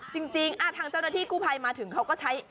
จริงทางเจ้าหน้าที่กู้ภัยมาถึงเขาก็ใช้